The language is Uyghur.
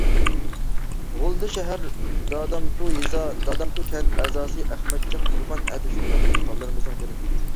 غۇلجا شەھەر دادامتۇ يېزا، دادامتۇ كەنت ئەزاسى ئەخمەتجان قۇربان ئەنە شۇنداق دېھقانلىرىمىزنىڭ بىرى.